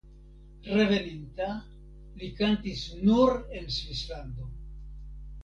Reveninta li kantis nur en Svislando.